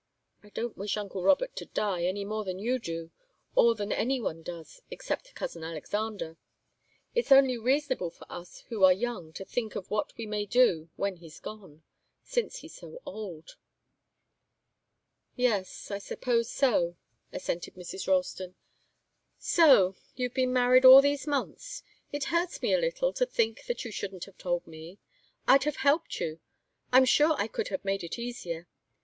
I don't wish uncle Robert to die, any more than you do, or than any one does, except cousin Alexander. It's only reasonable for us who are young to think of what we may do when he's gone, since he's so old." "Yes, I suppose so," assented Mrs. Ralston. "So you've been married all these months! It hurts me a little to think that you shouldn't have told me. I'd have helped you. I'm sure I could have made it easier.